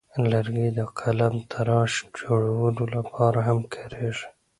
لرګی د قلمتراش جوړولو لپاره هم کاریږي.